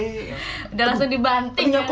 sudah langsung dibanting